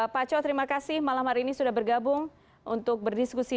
pak chow terima kasih malam hari ini sudah bergabung untuk berdiskusi di sini